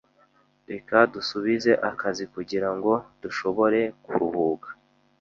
Reka dusubize akazi kugirango dushobore kuruhuka.